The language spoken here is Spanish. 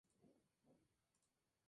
Resistentes a ataques enemigos.